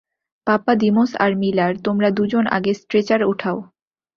Pappadimos আর Miller, তোমরা দুজন আগে স্ট্রেচার ওঠাও।